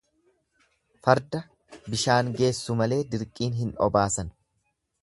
Farda bishaan geessu malee dirqiin hin obaasan.